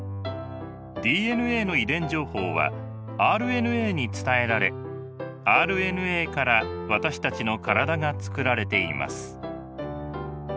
ＤＮＡの遺伝情報はＲＮＡに伝えられＲＮＡから私たちの体がつくられています。